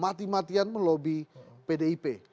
mati matian melobi pdip